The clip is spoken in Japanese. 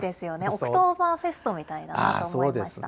オクトーバーフェストみたいだなと思いました。